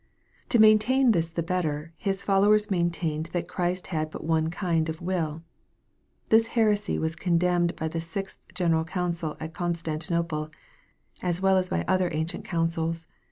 To maintain this the better, his followers maintained that Christ had but one kind of will This heresy was condemned by the sixth general council at Constantinople, as well as by other ancient councils.